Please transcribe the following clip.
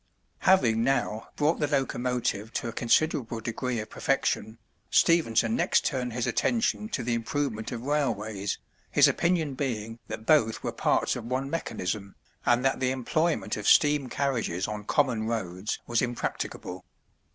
Having now brought the locomotive to a considerable degree of perfection, Stephenson next turned his attention to the improvement of railways, his opinion being that both were parts of one mechanism, and that the employment of steam carriages on common roads was impracticable.